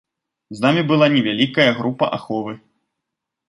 З намі была невялікая група аховы.